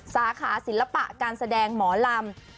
สาขาศิลปะการแสดงหมอลำ